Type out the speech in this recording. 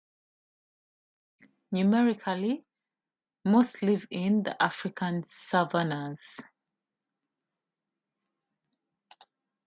Numerically, most live in the African savannahs.